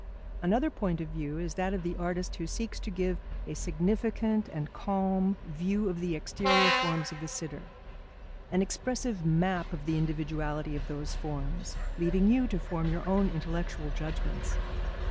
]Another point of view is that of the artist who seeks to give a significant and calm view of the exterior forms of the sitter, an expressive map of the individuality of those forms, leaving you to form your own intellectual judgments.